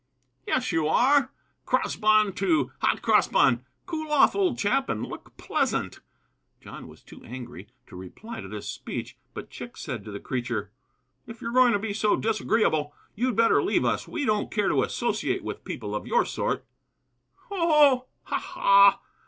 "Yes, you are! Cross bun, too. Hot cross bun. Cool off, old chap, and look pleasant." John was too angry to reply to this speech, but Chick said to the creature: "If you're going to be so disagreeable, you'd better leave us. We don't care to associate with people of your sort." "Ho, ho! ha, ha!"